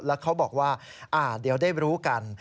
แล้วเขาบอกว่าเดี๋ยวได้รู้กัน